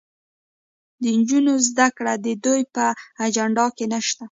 د نجونو زدهکړه د دوی په اجنډا کې نشته.